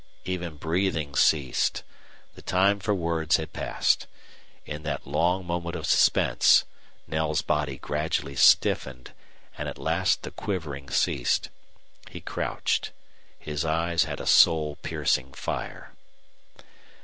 Even breathing ceased. The time for words had passed. In that long moment of suspense Knell's body gradually stiffened, and at last the quivering ceased. He crouched. His eyes had a soul piercing fire.